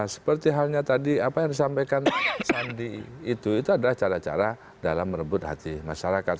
seperti halnya tadi apa yang disampaikan sandi itu itu adalah cara cara dalam merebut hati masyarakat